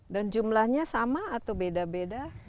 dan jumlahnya sama atau beda beda